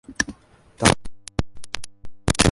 তারা তাদেরকে বিভিন্ন দ্বীপে তাড়িয়ে দেন।